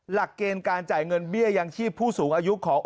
หลักเกณฑ์การจ่ายเงินเบี้ยยังชีพผู้สูงอายุของ